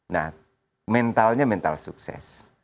nah mentalnya mental sukses